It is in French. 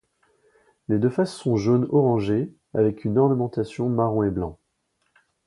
Les deux faces sont jaune orangé avec une ornementation marron et blanc.